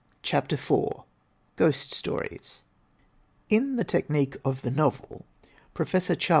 CHAPTER IV GHOST STORIES In "The Technique of the Novel," Prof. Chas.